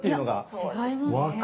いや違いますね。